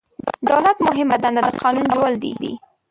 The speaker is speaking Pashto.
دولت مهمه دنده د قانون جوړول دي.